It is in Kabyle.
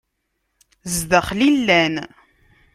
Zdaxel i llan.